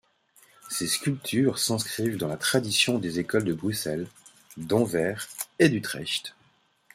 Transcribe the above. Ses sculptures s'inscrivent dans la tradition des écoles de Bruxelles, d'Anvers et d'Utrecht.